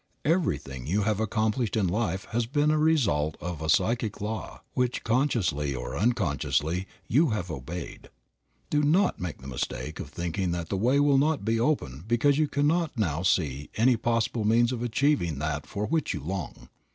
Everything you have accomplished in life has been a result of a psychic law which, consciously or unconsciously, you have obeyed. Do not make the mistake of thinking that the way will not open because you cannot now see any possible means of achieving that for which you long.